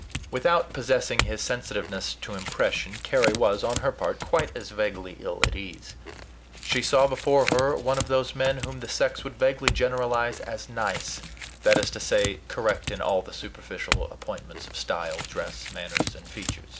Without possessing his sensitiveness to impression, Carry was, on her part, quite as vaguely ill at ease. She saw before her one of those men whom the sex would vaguely generalize as "nice," that is to say, correct in all the superficial appointments of style, dress, manners, and feature.